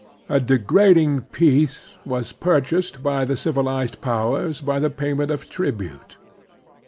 A degrading peace was pur chased by the civilized powers by the payment of tribute.